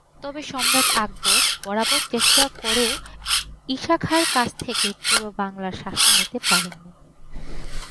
তবে সম্রাট আকবর বারবার চেষ্টা করেও ঈসা খাঁর কাছ থেকে পুরো বাংলার শাসন নিতে পারেননি।